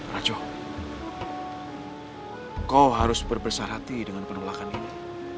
raja kau harus berbesar hati dengan penolakan ini